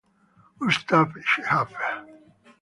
Gustav Schäfer